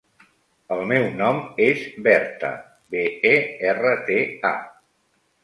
El meu nom és Berta: be, e, erra, te, a.